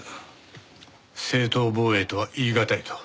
正当防衛とは言い難いと？